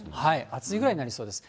暑いぐらいになりそうです。